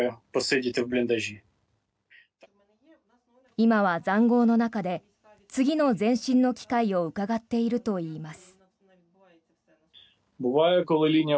今は塹壕の中で次の前進の機会をうかがっているといいます。